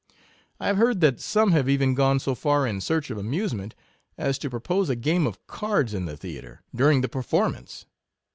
I have heard that some have even gone so far in search of amusement, as to propose a game of cards in the theatre, during the performance.